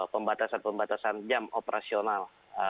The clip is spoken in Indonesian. pembatasan pembatasan jam operasional